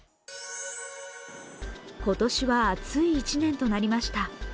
今年は暑い１年となりました。